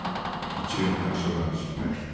一蓮托生なんでしょうね。